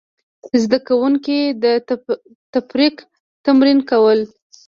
زده کوونکي د تفکر تمرین کول.